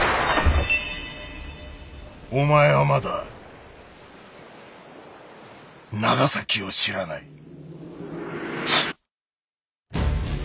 お前はまだ長崎を知らない。